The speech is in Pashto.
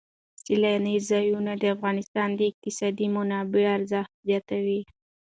سیلانی ځایونه د افغانستان د اقتصادي منابعو ارزښت زیاتوي.